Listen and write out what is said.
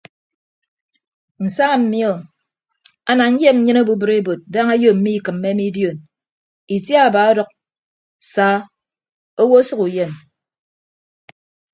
Nsa mi o ana nyem nyịn obubịd ebod daña ayo mmikịmme mi dion itiaba ọdʌk saa owo ọsʌk uyem.